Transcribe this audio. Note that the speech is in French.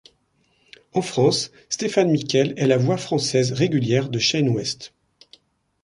En France, Stéphane Miquel est la voix française régulière de Shane West.